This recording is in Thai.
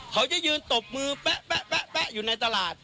เขาจะยืนตบมือแป๊ะอยู่ในตลาด